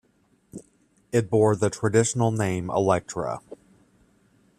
It bore the traditional name "Electra".